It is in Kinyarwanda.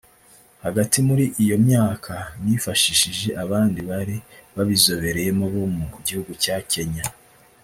Hagati muri iyo myaka nifashishije abandi bari babizobereyemo bo mu gihugu cya Kenya